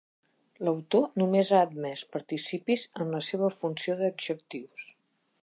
L'autor només ha admès participis en la seva funció d'adjectius.